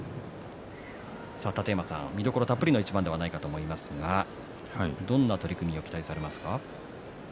楯山さん、見どころたっぷりの一番ではないかと思いますがどんな取組を期待されますか？